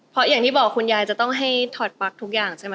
เพราะอย่างที่บอกคุณยายจะต้องให้ถอดปลั๊กทุกอย่างใช่ไหม